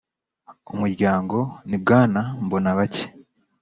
umuryango ni bwana mbonabake